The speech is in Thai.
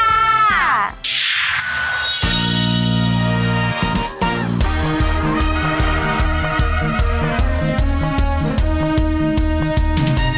โน้ท